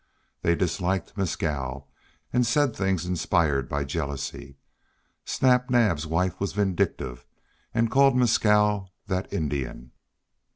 They disliked Mescal, and said things inspired by jealousy. Snap Naab's wife was vindictive, and called Mescal "that Indian!"